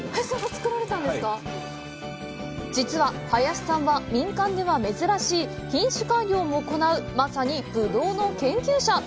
実は、林さんは民間では珍しい品種改良も行うまさにブドウの研究者。